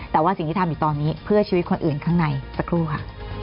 แต่ว่าสิ่งที่ทำอยู่ตอนนี้เพื่อชีวิตคนอื่นข้างในสักครู่ค่ะ